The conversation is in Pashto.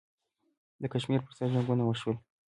د کشمیر پر سر جنګونه وشول.